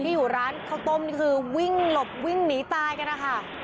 อยู่ร้านข้าวต้มนี่คือวิ่งหลบวิ่งหนีตายกันนะคะ